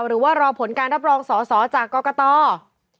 หรือว่ารอผลการรับรองสอสอจากกรกต